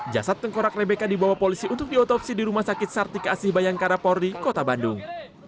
jasad tengkorak rebeka dibawa polisi untuk diotopsi di rumah sakit sartikasi bayangkara polri kota bandung